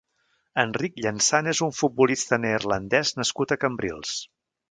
Enric Llansana és un futbolista neerlandès nascut a Cambrils.